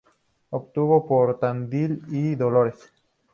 Anduvo por Tandil y Dolores.